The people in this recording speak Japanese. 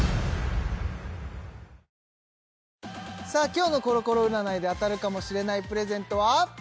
今日のコロコロ占いで当たるかもしれないプレゼントは？